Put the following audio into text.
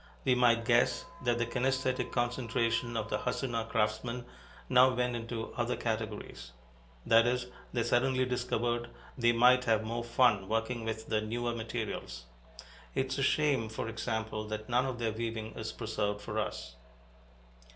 We might guess that the kinaesthetic concentration of the Hassuna craftsmen now went into other categories; that is, they suddenly discovered they might have more fun working with the newer materials. It's a shame, for example, that none of their weaving is preserved for us.